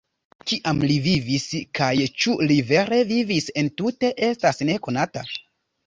Kiam li vivis, kaj ĉu li vere vivis entute, estas nekonata.